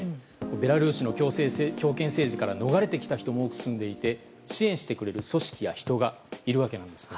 ベラルーシの強権政治から逃れてきた人が多く住んでいて支援してくれる組織や人がいるわけなんですよ。